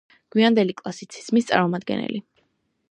გვიანდელი კლასიციზმის წარმომადგენელი.